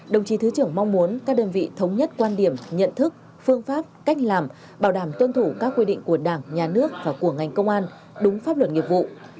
đồng chí thứ trưởng mong muốn các đơn vị thống nhất quan điểm nhận thức phương pháp cách làm bảo đảm tuân thủ các quy định của đảng nhà nước và của ngành công an đúng pháp luật nghiệp vụ